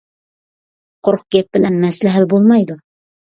قۇرۇق گەپ بىلەن مەسىلە ھەل بولمايدۇ.